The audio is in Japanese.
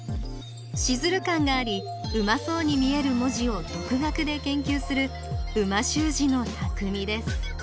シズル感がありうまそうに見える文字を独学で研究する美味しゅう字のたくみです